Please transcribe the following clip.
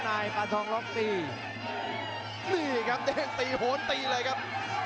นี่ครับเด้งตีผนตีเลยครับ